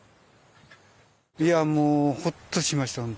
いやもうほっとしました本当。